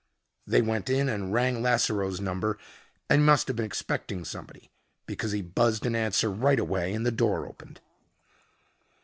They went in and rang Lasseroe's number and he must have been expecting somebody because he buzzed an answer right away and the door opened.